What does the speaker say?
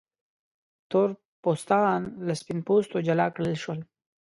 تور پوستان له سپین پوستو جلا کړل شول.